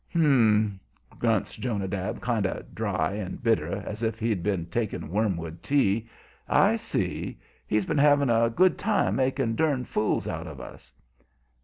"Hum!" grunts Jonadab, kind of dry and bitter, as if he'd been taking wormwood tea; "I see. He's been having a good time making durn fools out of us."